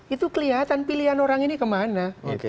itu kelihatan pilihan orang ini kemana